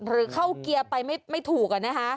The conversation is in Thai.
หรือเข้าเกียร์ไปไม่ถูก